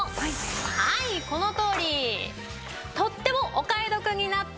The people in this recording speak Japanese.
はいこのとおり！とってもお買い得になっております。